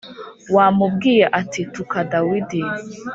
wamubwiye ati Tuka Dawidi